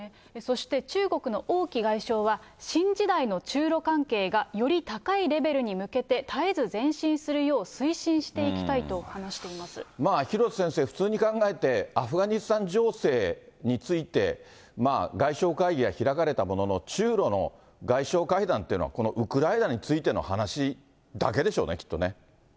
そして、中国の王毅外相は、新時代の中ロ関係がより高いレベルに向けて絶えず前進するよう推廣瀬先生、普通に考えて、アフガニスタン情勢について外相会議が開かれたものの、中ロの外相会談っていうのは、このウクライナについての話だけでしょうね、きっとね。